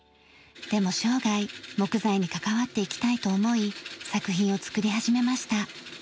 でも生涯木材に関わっていきたいと思い作品を作り始めました。